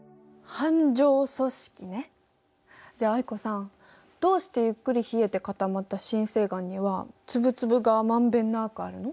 じゃあ藍子さんどうしてゆっくり冷えて固まった深成岩には粒々がまんべんなくあるの？